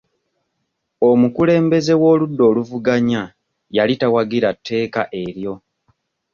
Omukulembeze w'oludda oluvuganya yali tawagira tteeka eryo.